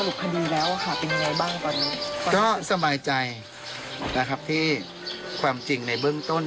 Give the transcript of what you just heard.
คดีแล้วค่ะเป็นยังไงบ้างตอนนี้ก็สบายใจนะครับที่ความจริงในเบื้องต้น